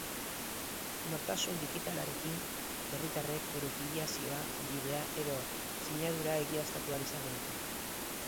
Nortasun digitalarekin herritarrek bere filiazioa, helbidea edota sinadura egiaztatu ahal izango dute.